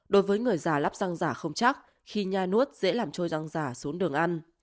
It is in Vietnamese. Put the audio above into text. đối với người già lắp răng giả không chắc khi nhai nuốt dễ làm trôi răng giả xuống đường ăn